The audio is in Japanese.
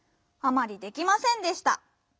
「あまりできませんでした」。